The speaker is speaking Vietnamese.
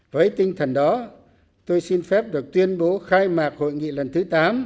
với tinh thần đó tôi xin phép được tuyên bố khai mạc hội nghị lần thứ tám